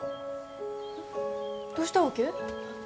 どうしたわけ？